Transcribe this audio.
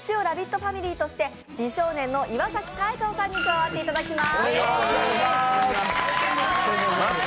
ファミリーとして美少年の岩崎大昇さんに加わっていただきます。